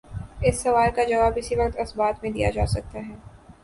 اس سوال کا جواب اسی وقت اثبات میں دیا جا سکتا ہے۔